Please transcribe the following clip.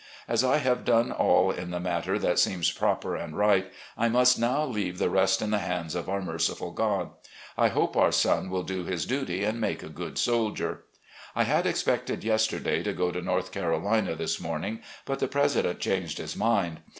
As I have done all in the matter that seems proper and right, I must now leave the rest in the hands of our merciful God. I hope our son will do his duty and make a good soldier. ... I had expected yesterday to go to North Caro lina this morning, but the President changed his mind.